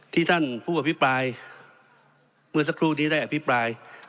ที่ท่านผู้อภิปรายเมื่อสักครู่นี้ได้อภิปราย